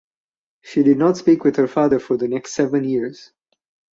She did not speak with her father for the next seven years.